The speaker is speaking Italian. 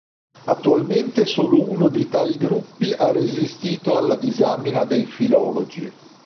Attualmente solo uno di tali gruppi ha resistito alla disamina dei filologi.